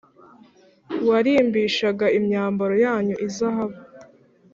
Warimbishaga imyambaro yanyu izahabu